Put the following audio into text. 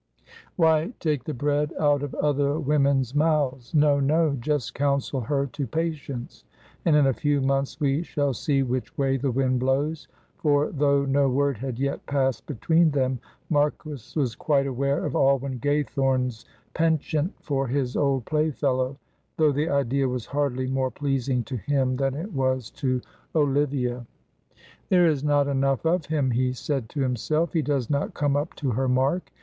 "Why take the bread out of other women's mouths? No, no; just counsel her to patience, and in a few months we shall see which way the wind blows," for, though no word had yet passed between them, Marcus was quite aware of Alwyn Gaythorne's penchant for his old playfellow, though the idea was hardly more pleasing to him than it was to Olivia. "There is not enough of him," he said to himself. "He does not come up to her mark.